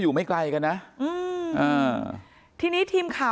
แต่พอเห็นว่าเหตุการณ์มันเริ่มเข้าไปห้ามทั้งคู่ให้แยกออกจากกัน